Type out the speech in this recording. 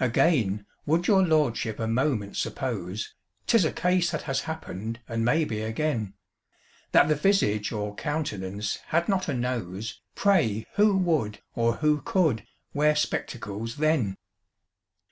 Again, would your lordship a moment suppose ('Tis a case that has happened, and may be again) That the visage or countenance had not a nose, Pray who would, or who could, wear spectacles then!